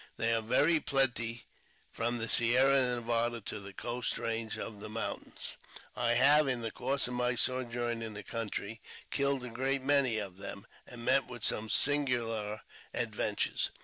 They are very plenty from the Sierra Nevada to the coast range of mountains. I have, in the course of my sojourn in the country, killed a great many of them, and met with some singular adventures.